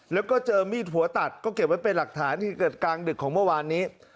แล้วก็เจอมีดหัวตัดก็เก็บไว้เป็นหลักฐานเหตุเกิดกลางดึกของเมื่อวานนี้